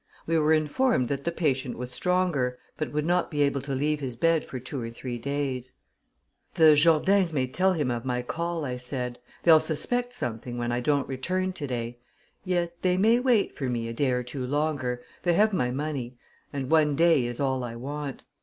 We were informed that the patient was stronger, but would not be able to leave his bed for two or three days. "The Jourdains may tell him of my call," I said. "They'll suspect something when I don't return to day yet they may wait for me a day or two longer they have my money and one day is all I want.